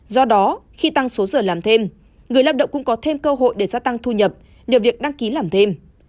do đó khi tăng số giờ làm thêm người lao động cũng có thêm cơ hội để gia tăng thu nhập nhờ việc đăng ký làm thêm